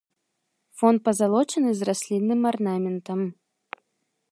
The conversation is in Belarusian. Фон пазалочаны з раслінным арнаментам.